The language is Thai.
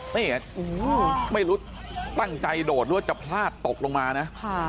นี่ไม่รู้ตั้งใจโดดหรือว่าจะพลาดตกลงมานะ